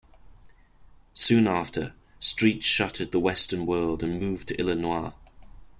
Soon after, Street shuttered the "Western World" and moved to Illinois.